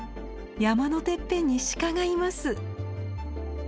山のてっぺんに鹿がいます。